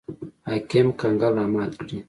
حاکم کنګل رامات کړي.